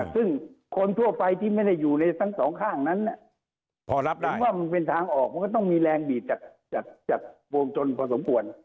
ซึ่งคนทั่วไปที่ไม่ได้อยู่ในทั้งสองข้างนั้นพอรับผมว่ามันเป็นทางออกมันก็ต้องมีแรงบีดจากวงจรพอสมควร